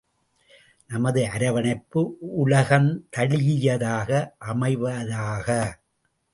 நமது அரவணைப்பு உலகந்தழீஇயதாக அமைவதாகுக!